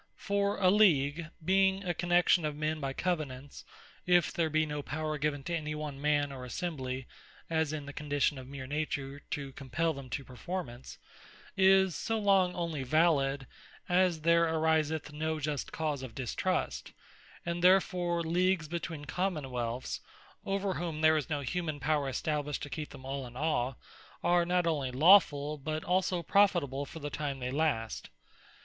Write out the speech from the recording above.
For a League being a connexion of men by Covenants, if there be no power given to any one Man or Assembly, (as in the condition of meer Nature) to compell them to performance, is so long onely valid, as there ariseth no just cause of distrust: and therefore Leagues between Common wealths, over whom there is no humane Power established, to keep them all in awe, are not onely lawfull, but also profitable for the time they last.